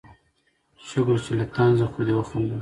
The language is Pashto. شکر چې له طنزه خو دې وخندل